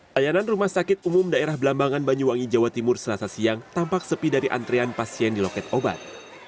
layanan rumah sakit umum daerah belambangan banyuwangi jawa timur selasa siang tampak sepi dari antrian pasien di loket obat